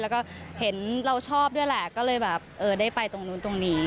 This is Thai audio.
แล้วก็เห็นเราชอบด้วยแหละก็เลยแบบเออได้ไปตรงนู้นตรงนี้